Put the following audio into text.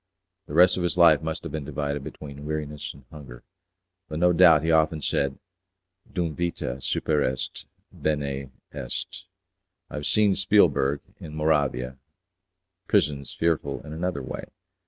The rest of his life must have been divided between weariness and hunger, but no doubt he often said, 'Dum vita superest, bene est'. I have seen at Spiegelberg, in Moravia, prisons fearful in another way.